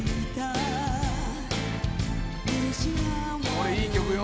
「これいい曲よ」